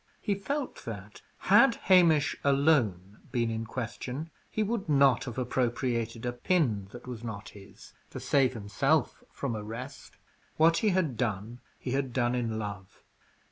He felt that, had Hamish alone been in question, he would not have appropriated a pin that was not his, to save himself from arrest: what he had done he had done in love.